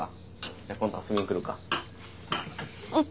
じゃあ今度遊びに来るか？